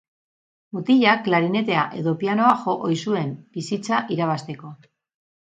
Mutilak klarinetea edo pianoa jo ohi zuen, bizitza irabazteko.